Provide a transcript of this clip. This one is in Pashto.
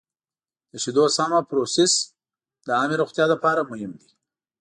د شیدو سمه پروسس د عامې روغتیا لپاره مهم دی.